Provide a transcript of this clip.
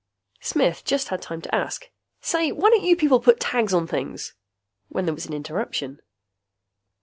Smith just had time to ask, "Say, why don't you people put tags on things?" when there was an interruption.